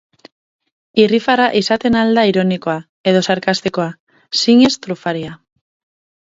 Irrifarra izaten ahal da ironikoa, edo sarkastikoa, zinez trufaria.